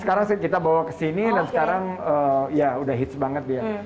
sekarang kita bawa ke sini dan sekarang ya udah hits banget dia